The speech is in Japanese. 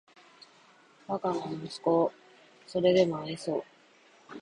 バカな息子をーーーーそれでも愛そう・・・